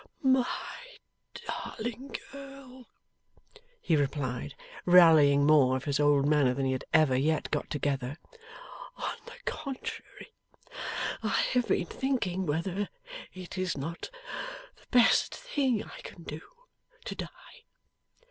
'My darling girl,' he replied, rallying more of his old manner than he had ever yet got together. 'On the contrary, I have been thinking whether it is not the best thing I can do, to die.